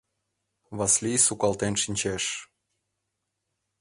Васлий сукалтен шинчеш: